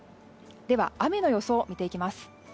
では、雨の予想を見ていきます。